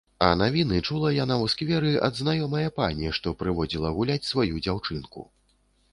А навіны чула яна ў скверы ад знаёмае пані, што прыводзіла гуляць сваю дзяўчынку.